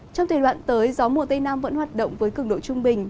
trong thời đoạn tới gió mùa tây nam vẫn hoạt động với cứng độ trung bình